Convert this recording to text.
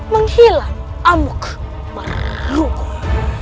menghilang amuk berukur